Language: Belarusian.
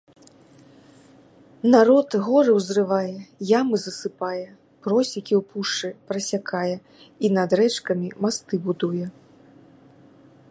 Народ горы ўзрывае, ямы засыпае, просекі ў пушчы прасякае і над рэчкамі масты будуе.